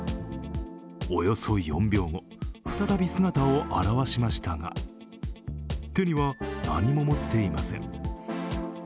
およそ４秒後、再び姿を現しましたが手には何も持っていません。